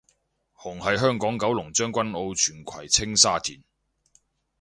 紅係香港九龍將軍澳荃葵青沙田